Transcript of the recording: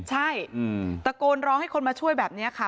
ใช่ตะโกนร้องให้คนมาช่วยแบบนี้ค่ะ